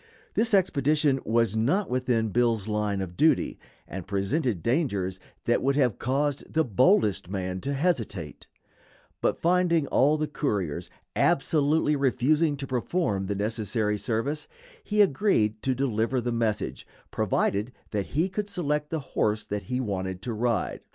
This expedition was not within Bill's line of duty, and presented dangers that would have caused the boldest man to hesitate; but finding all the couriers absolutely refusing to perform the necessary service, he agreed to deliver the message, provided that he could select the horse that he wanted to ride.